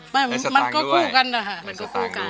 ไม่มันก็คู่กันละค่ะ